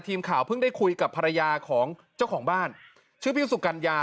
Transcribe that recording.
ทีมข่าวเพิ่งได้คุยกับภรรยาของเจ้าของบ้านชื่อพี่สุกัญญา